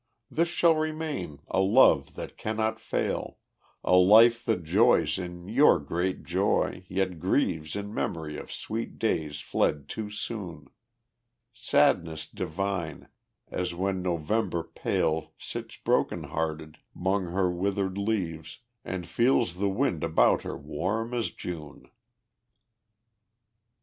This shall remain, a love that cannot fail, A life that joys in your great joy, yet grieves In memory of sweet days fled too soon. Sadness divine! as when November pale Sits broken hearted 'mong her withered leaves, And feels the wind about her warm as June.